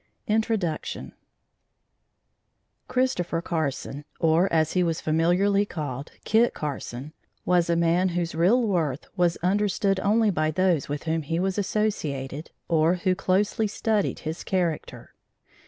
INTRODUCTION Christopher Carson, or as he was familiarly called, Kit Carson, was a man whose real worth was understood only by those with whom he was associated or who closely studied his character.